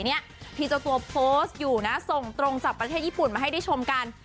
ที่เจ้าตัวโพสต์อยู่นะส่งตรงจากประเทศญี่ปุ่นมาให้ได้ชมกัน